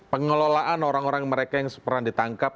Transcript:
pengelolaan orang orang mereka yang pernah ditangkap